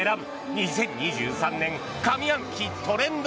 ２０２３年上半期トレンド